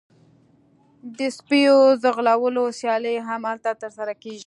د سپیو ځغلولو سیالۍ هم هلته ترسره کیږي